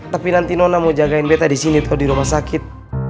tapi nanti nona mau jagain beta di sini kalau di rumah sakit